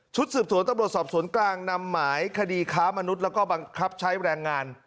สืบสวนตำรวจสอบสวนกลางนำหมายคดีค้ามนุษย์แล้วก็บังคับใช้แรงงาน